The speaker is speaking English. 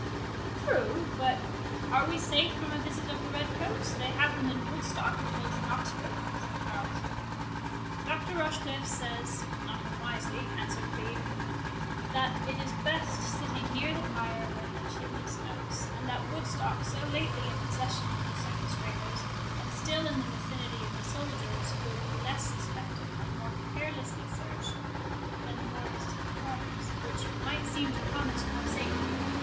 "True; but are we safe from a visit of the red coats—they have them in Woodstock as well as in Oxford?" said Charles. "Dr. Rochecliffe says, not unwisely," answered Lee, "that it is best sitting near the fire when the chimney smokes; and that Woodstock, so lately in possession of the sequestrators, and still in the vicinity of the soldiers, will be less suspected, and more carelessly searched, than more distant corners, which might seem to promise more safety.